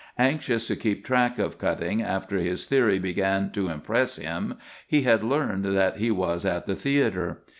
Anxious to keep track of Cutting after his theory began to impress him, he had learned that he was at the theatre.